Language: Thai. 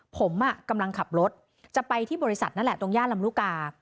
ผมกำลังขับรถจะไปที่บริษัทนั่นแหละตรงย่านลำลูกกา